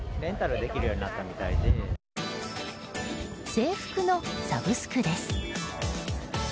制服のサブスクです。